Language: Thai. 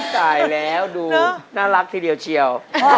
ตายแล้วดูน่ารักทีเดียวเชียว